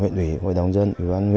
huyện ủy hội đồng dân